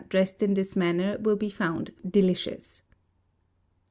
dressed in this manner will he found delicious.